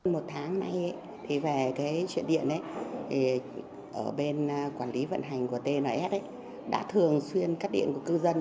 một tháng nay thì về cái chuyện điện ấy ở bên quản lý vận hành của tnf ấy đã thường xuyên cắt điện của cư dân